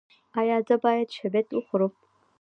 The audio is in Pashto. ایا زه باید شبت وخورم؟